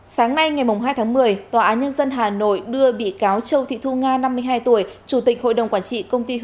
sáng nay ngày hai tháng một mươi tòa án nhân dân hà nội đưa bị cáo châu thị thu nga năm mươi hai tuổi chủ tịch hội đồng quản trị công ty